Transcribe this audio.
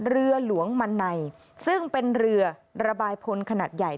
เรือหลวงมันไนซึ่งเป็นเรือระบายพลขนาดใหญ่